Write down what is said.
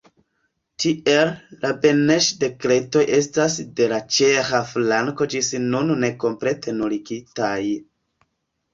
Tiel, la Beneŝ-dekretoj estas de la ĉeĥa flanko ĝis nun ne komplete nuligitaj.